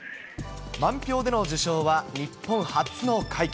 満票での受賞は日本初の快挙。